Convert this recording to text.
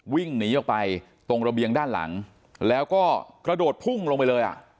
วิ่งหนีออกไปตรงระเบียงด้านหลังแล้วก็กระโดดพุ่งลงไปเลยอ่ะ